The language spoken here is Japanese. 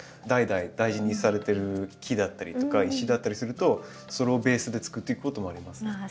代々大事にされてる木だったりとか石だったりするとそれをベースでつくっていくこともありますね。